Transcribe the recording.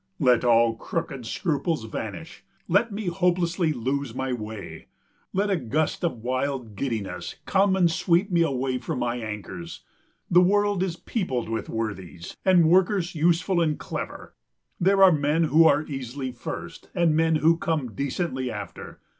Let all crooked scruples vanish, let me hopelessly lose my way. Let a gust of wild giddiness come and sweep me away from my anchors. The world is peopled with worthies, and workers, useful and clever. There are men who are easily first, and men who come decently after.